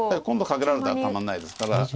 今度カケられたらたまらないですから。